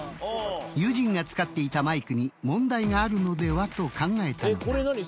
友人が使っていたマイクに問題があるのではと考えたのだ。